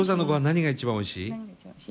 何が一番おいしい？